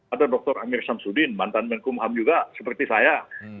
ada dr amir syamsudin mantan menkumham juga seperti saya